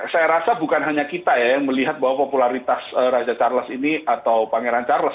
saya rasa bukan hanya kita ya yang melihat bahwa popularitas raja charles ini